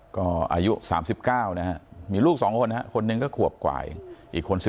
ก็อายุ๓๙มีลูก๒คนคนหนึ่งก็ขวบกว่าอีกอีกคน๑๑ขวบ